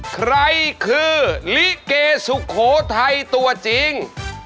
ใครคือลิเกสุโขทัยตัวจริง